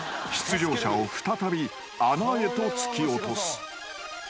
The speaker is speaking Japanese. ［出場者を再び穴へと突き落とす］